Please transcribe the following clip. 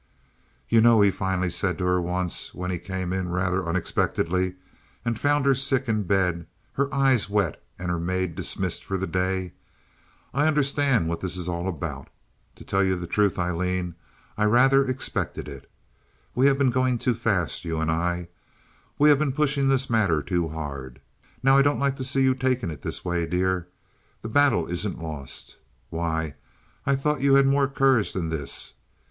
"You know," he finally said to her once, when he came in rather unexpectedly and found her sick in bed, her eyes wet, and her maid dismissed for the day, "I understand what this is all about. To tell you the truth, Aileen, I rather expected it. We have been going too fast, you and I. We have been pushing this matter too hard. Now, I don't like to see you taking it this way, dear. This battle isn't lost. Why, I thought you had more courage than this.